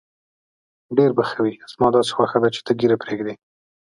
ډېر به ښه وي، زما داسې خوښه ده چې ته ږیره پرېږدې.